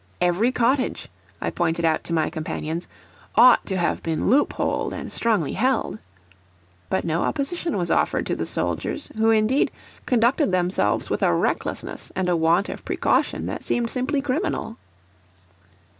Every cottage, I pointed out to my companions, ought to have been loopholed, and strongly held. But no opposition was offered to the soldiers, who, indeed, conducted themselves with a recklessness and a want of precaution that seemed simply criminal.